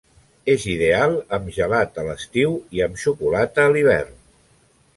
És ideal amb gelat a l'estiu i amb xocolata a l'hivern.